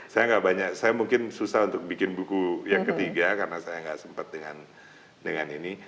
saya mungkin susah untuk bikin buku yang ketiga karena saya gak sempet dengan ini